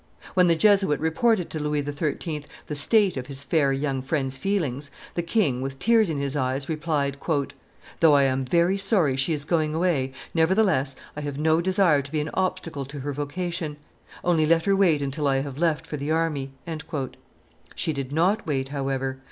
When the Jesuit reported to Louis XIII. the state of his fair young friend's feelings, the king, with tears in his eyes, replied, "Though I am very sorry she is going away, nevertheless I have no desire to be an obstacle to her vocation; only let her wait until I have left for the army." She did not wait, however.